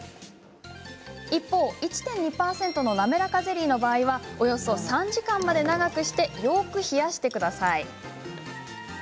一方、１．２％のなめらかゼリーの場合はおよそ３時間まで長くしてよく冷やしてください。